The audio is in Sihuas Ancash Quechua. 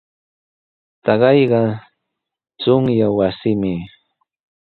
Taqayqa chunyaq wasimi.